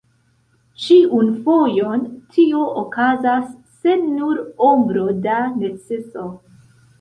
Ĉiun fojon tio okazas sen nur ombro da neceso.